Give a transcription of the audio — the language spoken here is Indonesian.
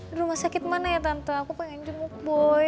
di rumah sakit mana ya tante aku pengen jemuk boy